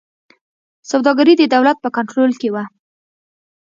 سوداګري د دولت په کنټرول کې وه.